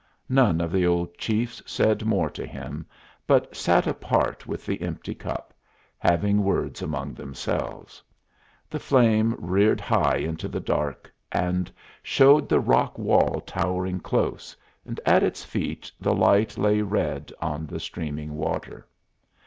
None of the old chiefs said more to him, but sat apart with the empty cup, having words among themselves. The flame reared high into the dark, and showed the rock wall towering close, and at its feet the light lay red on the streaming water.